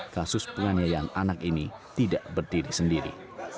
kasus penganiayaan anak ini tidak berdiri sendiri